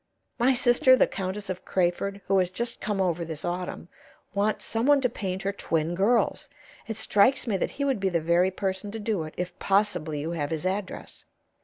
My sister, the Countess of Crayford, who has just come over this autumn, wants some one to paint her twin girls. It strikes me that he would be the very person to do it, if possibly you have his address.